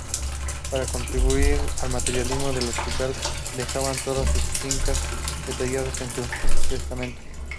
Para contribuir al mantenimiento del hospital dejaba todas sus fincas, detalladas en su testamento.